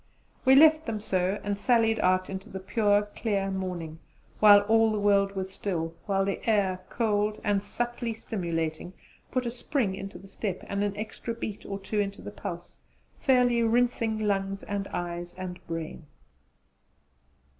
We left them so and sallied out into the pure clear morning while all the world was still, while the air, cold and subtly stimulating, put a spring into the step and an extra beat or two into the pulse, fairly rinsing lungs and eyes and brain.